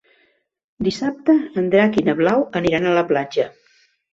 Dissabte en Drac i na Blau aniran a la platja.